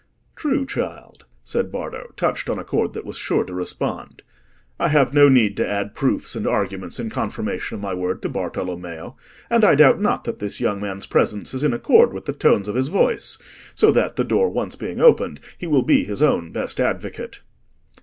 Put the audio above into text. "True, child," said Bardo, touched on a chord that was sure to respond. "I have no need to add proofs and arguments in confirmation of my word to Bartolommeo. And I doubt not that this young man's presence is in accord with the tones of his voice, so that, the door being once opened, he will be his own best advocate."